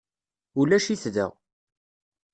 Ulac-it da.